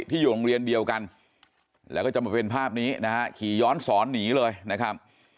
ที่อยู่โรงเรียนเดียวกันแล้วก็จะมาเป็นภาพนี้นะฮะขี่ย้อนสอนหนีเลยนะครับ